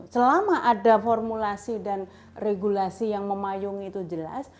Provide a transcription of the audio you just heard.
selama ada formulasi dan regulasi yang memayung itu jelas